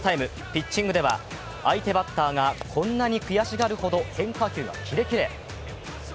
ピッチングでは相手バッターがこんなに悔しがるほど変化球がキレキレ。